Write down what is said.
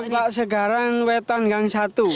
tambak segaran wetan gang satu